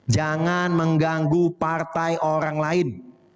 jangan mengganggu partai orang lain